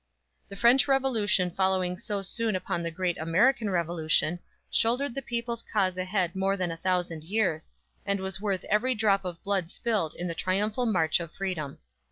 The French Revolution following so soon upon the great American Revolution, shouldered the people's cause ahead more than a thousand years, and was worth every drop of blood spilled in the triumphal march of freedom!